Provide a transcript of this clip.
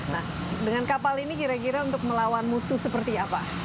nah dengan kapal ini kira kira untuk melawan musuh seperti apa